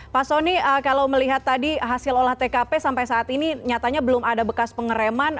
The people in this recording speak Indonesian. pak soni kalau melihat tadi hasil olah tkp sampai saat ini nyatanya belum ada bekas pengereman